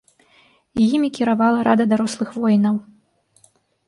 Імі кіравала рада дарослых воінаў.